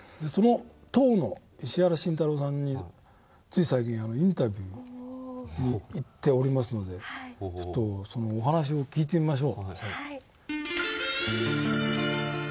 当の石原慎太郎さんについ最近インタビューに行っておりますのでお話を聞いてみましょう。